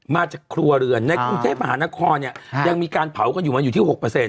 มาจากครัวเรือนในกรุงเทพมหานครเนี่ยยังมีการเผากันอยู่มันอยู่ที่๖